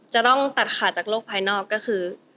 จะต้องตัดขาดจากโลกภายนอกก็คือ